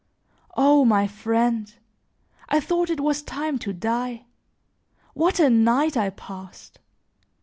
O my friend! I thought it was time to die; what a night I passed!